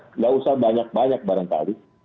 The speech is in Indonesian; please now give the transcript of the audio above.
tidak usah banyak banyak barangkali